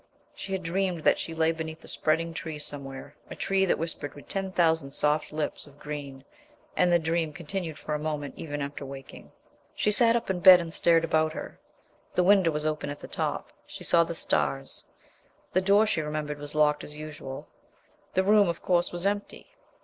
She had dreamed that she lay beneath a spreading tree somewhere, a tree that whispered with ten thousand soft lips of green; and the dream continued for a moment even after waking. She sat up in bed and stared about her. The window was open at the top; she saw the stars; the door, she remembered, was locked as usual; the room, of course, was empty.